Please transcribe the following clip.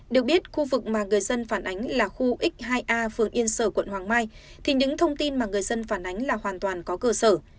được biết khu vực mà người dân phản ánh là khu x hai a phường yên sở quận hoàng mai thì những thông tin mà người dân phản ánh là hoàn toàn có cơ sở